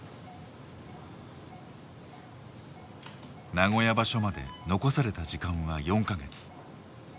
名古屋場所まで残された時間は４か月。